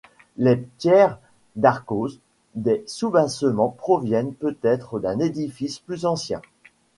Les pierres d'arkose des soubassements proviennent peut-être d'un édifice plus ancien.